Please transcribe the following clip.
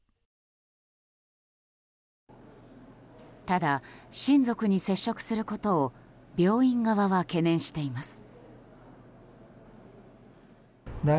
ただ親族に接触することを病院側は懸念しています。